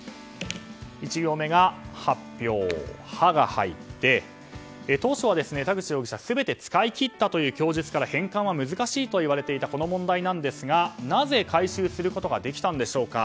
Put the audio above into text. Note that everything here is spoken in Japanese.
１行目、発表の「ハ」が入って当初は田口容疑者の全て使い切ったという供述から返還は難しいと言われていたこの問題なんですがなぜ回収することができたんでしょうか。